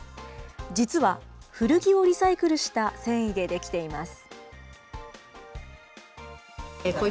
実は、古着をリサイクルした繊維で出来ています。